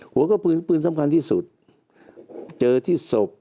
หัวกระปืนปืนสำคัญที่สุดเจอที่ศพ